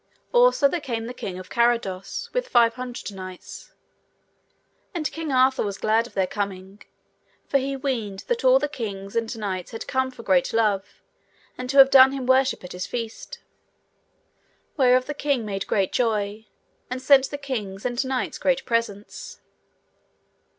Also there came the king of Carados with five hundred knights. And King Arthur was glad of their coming, for he weened that all the kings and knights had come for great love, and to have done him worship at his feast; wherefore the king made great joy, and sent the kings and knights great presents.